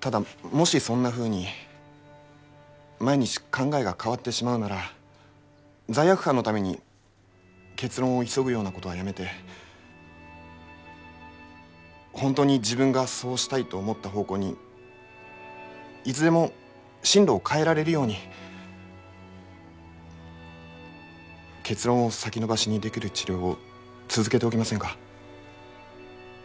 ただもしそんなふうに毎日考えが変わってしまうなら罪悪感のために結論を急ぐようなことはやめて本当に自分がそうしたいと思った方向にいつでも針路を変えられるように結論を先延ばしにできる治療を続けておきませんか？